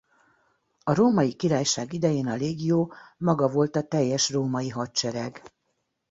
A Római Királyság idején a legio maga volt a teljes római hadsereg.